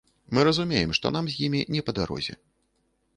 Мы разумеем, што нам з імі не па дарозе.